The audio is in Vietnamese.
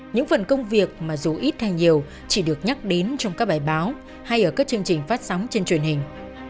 những phần công việc mà dù ít hay nhiều chỉ được nhắc đến trong các bài báo hay ở các chương trình phát sóng trên truyền hình